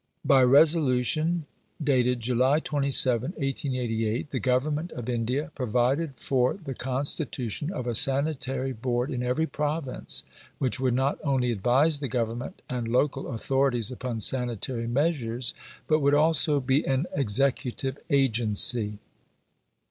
By Resolution, dated July 27, 1888, the Government of India provided for the constitution of a Sanitary Board in every province, which would not only advise the Government and local authorities upon sanitary measures, but would also be an executive agency.